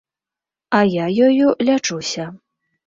А я ёю лячуся.